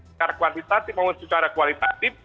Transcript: secara kuantitatif maupun secara kualitatif